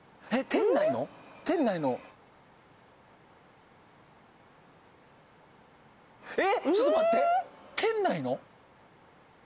店内のえっちょっと待って店内の？